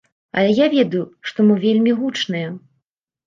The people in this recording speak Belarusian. Але я ведаю, што мы вельмі гучныя.